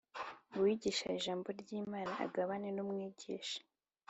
Uwigishwa ijambo ry Imana agabane n umwigisha